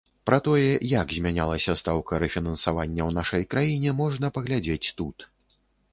Пра тое, як змянялася стаўка рэфінансавання ў нашай краіне, можна паглядзець тут.